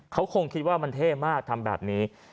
เขาคงคิดว่ามันเท่มากทำแบบนี้